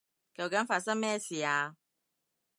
究竟發生咩事啊？